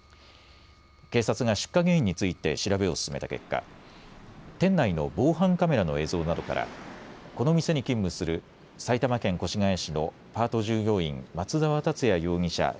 警察が出火原因について調べを進めた結果、店内の防犯カメラの映像などからこの店に勤務する埼玉県越谷市のパート従業員、松澤達也容疑者